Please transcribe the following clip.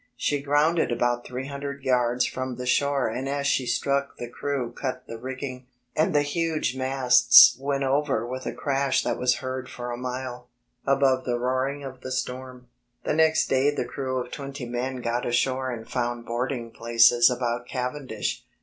She grounded about three hundred yards from the shore and as she struck the crew cut the rigging, and the huge masts went over with a crash that was heard for a mile, above the roaring of the storm. The next day the crew of twenty men got ashore and found boarding places about Cavendish.